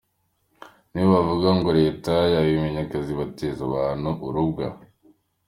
Ni bo bavuga ngo Leta yabimye akazi bateza abantu urubwa…”